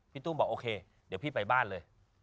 ตุ้มบอกโอเคเดี๋ยวพี่ไปบ้านเลย